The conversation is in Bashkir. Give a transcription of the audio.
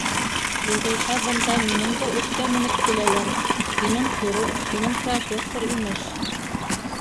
Юғиһә, бында минең дә өҫкә менеп киләләр, һинең хирург, һинең профессор, имеш